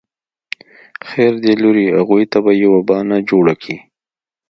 خير دی لورې اغوئ ته به يوه بانه جوړه کې.